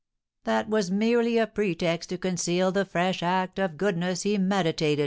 "That was merely a pretext to conceal the fresh act of goodness he meditated, M.